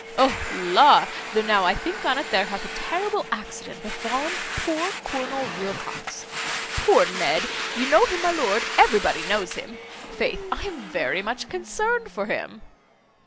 O la! though now I think on't there hath a terrible accident befallen poor Colonel Wilcox. Poor Ned. You know him, my lord, everybody knows him; faith! I am very much concerned for him."